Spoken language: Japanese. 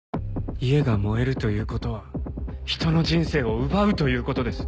家が燃えるという事は人の人生を奪うという事です。